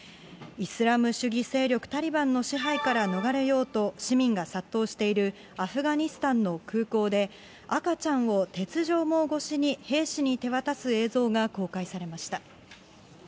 イスラム主義勢力タリバンの支配から逃れようと市民が殺到しているアフガニスタンの空港で、赤ちゃんを鉄条網越しに兵士に手渡す映像が公開されました。